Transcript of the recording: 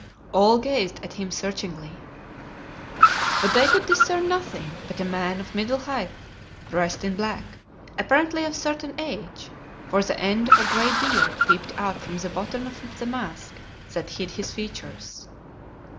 All gazed at him searchingly. But they could discern nothing but a man of middle height, dressed in black, apparently of a certain age, for the end of a gray beard peeped out from the bottom of the mask that hid his features.